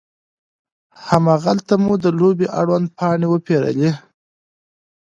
هماغلته مو د لوبې اړوند پاڼې وپیرلې.